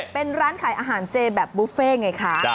เป็นร้านขายอาหารเจแบบบุฟเฟ่ไงคะ